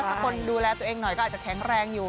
ถ้าคนดูแลตัวเองหน่อยก็อาจจะแข็งแรงอยู่